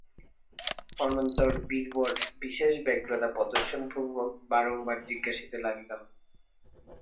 অনন্তর বীরবর বিশেষ ব্যগ্রতা প্রদর্শনপূর্বক বারংবার জিজ্ঞাসিতে লাগিল।